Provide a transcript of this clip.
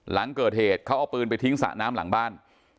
หลังเกิดเหตุเขาเอาปืนไปทิ้งสระน้ำหลังบ้าน